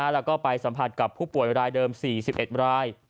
แล้วก็ไปสัมผัสกับผู้ป่วยรายเดิม๔๑ราย